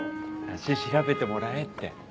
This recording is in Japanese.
足調べてもらえって。